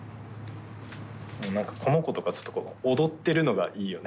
なんかこの子とかちょっとこう踊ってるのがいいよね。